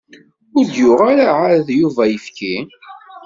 Ur d-yuɣ ara ɛad Yuba ayefki.